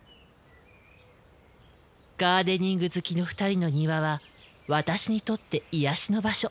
ガーデニング好きの２人の庭は私にとって癒やしの場所。